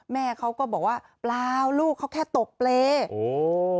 แม่เขาก็บอกว่าเปล่าลูกเขาแค่ตกเปรย์โอ้